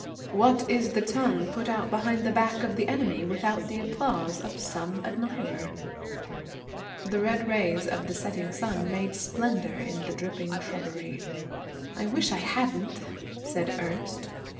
What is the tongue put out behind the back of the enemy without the applause of some admirer? The red rays of the setting sun made splendor in the dripping shrubbery. 'I wish I hadn't,' said Ernest.